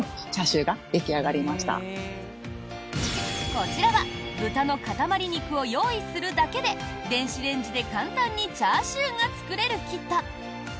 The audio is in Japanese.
こちらは豚の塊肉を用意するだけで電子レンジで簡単にチャーシューが作れるキット。